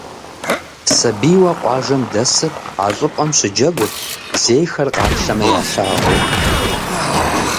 Сабийуэ къуажэм дэсыр а щӏыпӏэм щыджэгурт, зейхэр къаплъэмэ ялъагъуу.